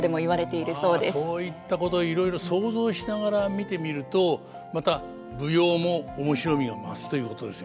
まあそういったこといろいろ想像しながら見てみるとまた舞踊も面白みを増すということですよね。